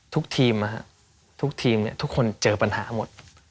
ทุกทีมทุกคนเจอปัญหาหมด